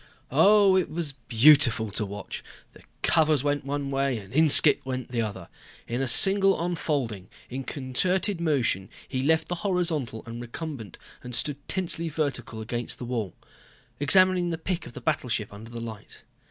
Oh, it was beautiful to watch. The covers went one way and Inskipp went the other. In a single unfolding, in concerted motion he left the horizontal and recumbent and stood tensely vertical against the wall. Examining the pic of the battleship under the light.